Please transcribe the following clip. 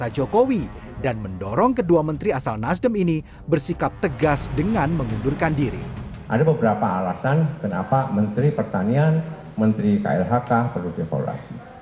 jokowi dodo tidak menampik akan berlaku reshuffle